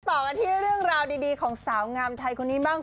ต่อกันที่เรื่องราวดีของสาวงามไทยคนนี้บ้าง